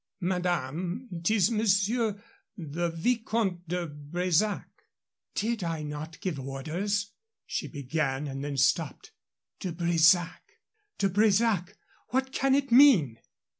"Madame, 'tis Monsieur the Vicomte de Bresac " "Did I not give orders " she began, and then stopped. "De Bresac! De Bresac! What can it mean?"